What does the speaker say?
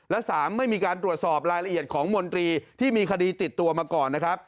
และ๓ไม่มีการตรวจสอบรายละเอียดของมนตรีที่มีคดีติดตัวมาก่อนนะครับ